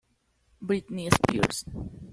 Britney Spears.